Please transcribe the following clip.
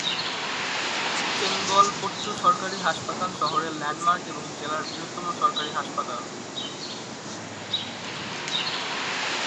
চেঙ্গলপট্টু সরকারি হাসপাতাল শহরের ল্যান্ডমার্ক এবং জেলার বৃহত্তম সরকারি হাসপাতাল।